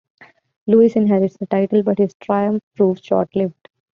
Louis inherits the title, but his triumph proves short-lived.